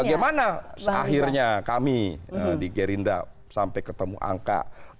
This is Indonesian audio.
bagaimana akhirnya kami di gerinda sampai ketemu angka dua puluh lima